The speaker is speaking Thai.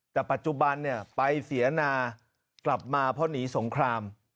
แต่ปัจจุบันไปเสียนากลับมาเพราะหนีสงคราม